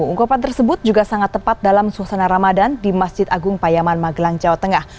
ungkapan tersebut juga sangat tepat dalam suasana ramadan di masjid agung payaman magelang jawa tengah